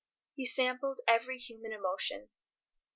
He sampled every human emotion.